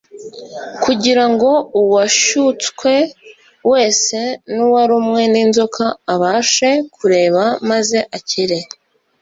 kugira ngo uwashutswe wese n’uwarumwe n’inzoka abashe kureba maze akire.